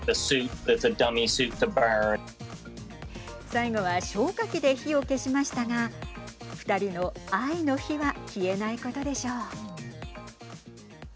最後は消火器で火を消しましたが２人の愛の火は消えないことでしょう。